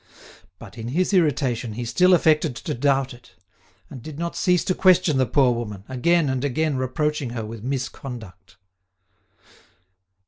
But, in his irritation, he still affected to doubt it, and did not cease to question the poor woman, again and again reproaching her with misconduct.